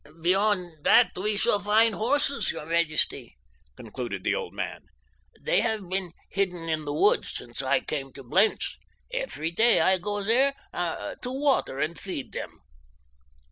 "Beyond that we shall find horses, your majesty," concluded the old man. "They have been hidden in the woods since I came to Blentz. Each day I go there to water and feed them."